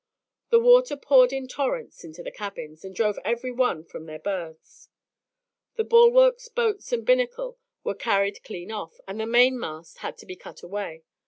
The water poured in torrents into the cabins, and drove every one from the berths. The bulwarks, boats, and binnacle were carried clean off, and the mainmast had to be cut away.